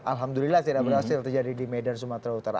alhamdulillah tidak berhasil terjadi di medan sumatera utara